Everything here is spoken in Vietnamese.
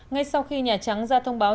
ngay sau khi nhà trắng ra thông báo